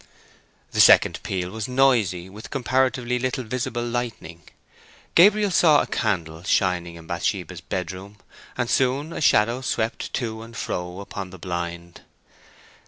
The second peal was noisy, with comparatively little visible lightning. Gabriel saw a candle shining in Bathsheba's bedroom, and soon a shadow swept to and fro upon the blind.